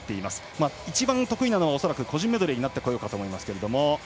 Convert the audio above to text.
一番得意なのは恐らく個人メドレーになろうかと思いますが。